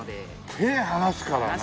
手離すからな。